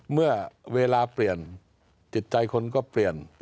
เมื่อเวลาเปลี่ยนจิตใจคนก็เปลี่ยน